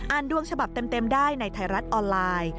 ดวงฉบับเต็มได้ในไทยรัฐออนไลน์